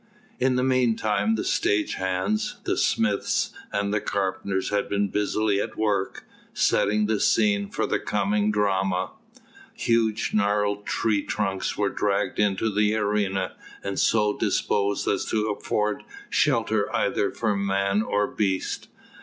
In the meanwhile the stage hands, the smiths and carpenters had been busily at work, setting the scene for the coming drama. Huge gnarled tree trunks were dragged into the arena, and so disposed as to afford shelter either for man or beast.